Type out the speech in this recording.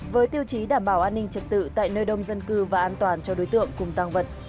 với tiêu chí đảm bảo an ninh trật tự tại nơi đông dân cư và an toàn cho đối tượng cùng tăng vật